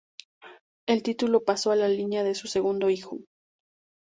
El título pasó a la línea de su segundo hijo.